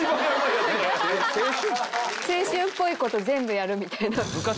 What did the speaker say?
青春っぽいこと全部やるみたいな。